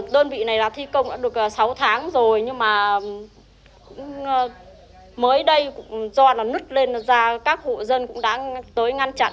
đơn vị này thi công đã được sáu tháng rồi nhưng mà mới đây do nứt lên ra các hộ dân cũng đã tới ngăn chặn